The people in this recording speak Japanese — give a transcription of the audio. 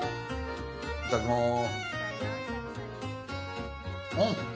いただきます。